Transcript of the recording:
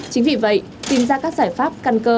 chính vì vậy tìm ra các giải pháp căn cơ